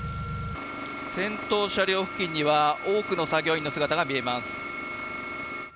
先頭車両付近には多くの作業員の姿が見えます。